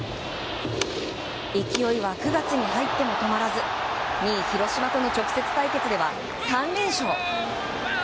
勢いは９月に入っても止まらず２位、広島との直接対決では３連勝！